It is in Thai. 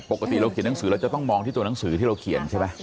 ปกติเราเขียนหนังสือเราจะต้องมองที่ตัวหนังสือที่เราเขียนใช่ไหม